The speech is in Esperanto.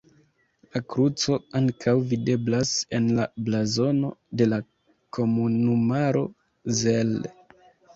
La kruco ankaŭ videblas en la blazono de la komunumaro Zell.